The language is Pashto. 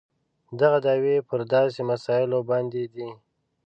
دغه دعوې پر داسې مسایلو باندې دي.